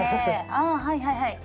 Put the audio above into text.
あはいはいはい。